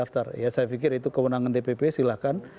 saya pikir itu kewenangan dpp silahkan